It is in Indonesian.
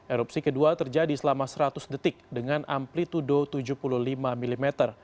erupsi kedua terjadi selama seratus detik dengan amplitude tujuh puluh lima mm